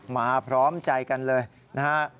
มาพร้อมใจกันเลยนะฮะ